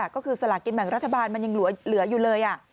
ก็คือสลากินแบ่งรัฐบาลมันยังเหลืออยู่เลย